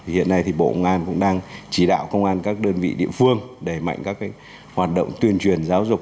hiện nay thì bộ công an cũng đang chỉ đạo công an các đơn vị địa phương để mạnh các hoạt động tuyên truyền giáo dục